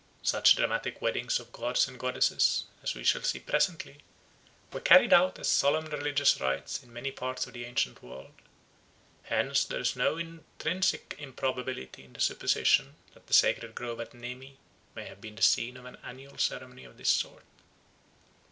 Such dramatic weddings of gods and goddesses, as we shall see presently, were carried out as solemn religious rites in many parts of the ancient world; hence there is no intrinsic improbability in the supposition that the sacred grove at Nemi may have been the scene of an annual ceremony of this sort.